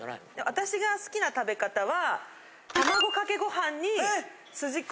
私が好きな食べ方は。